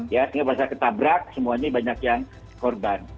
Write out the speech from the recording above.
ya sehingga masyarakat ketabrak semuanya banyak yang korban